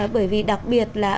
bởi vì đặc biệt là